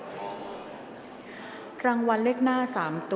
ออกรางวัลเลขหน้า๓ตัวครั้งที่๒